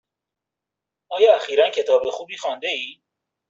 آیا اخیرا کتاب خوبی خوانده ای؟